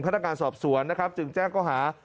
พนักการสอบสวนจึงแจ้งก้อหา